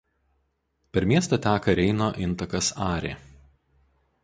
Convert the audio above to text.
Per miestą teka Reino intakas Arė.